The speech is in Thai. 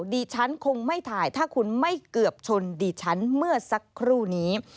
ดิฉันคงไม่ถ่ายถ้าคุณไม่เกือบชนดิฉันเมื่อสักครู่นี้